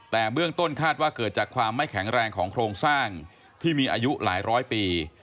แต่เบื้องต้นคาดว่าเกิดจากความไม่แข็งแรงของโครงสร้างที่มีอายุหลายร้อยปี